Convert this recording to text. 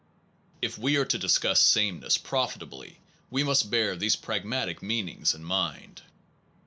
If we are to discuss same ness profitably we must bear these pragmatic meanings in mind.